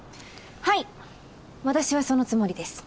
はい私はそのつもりです。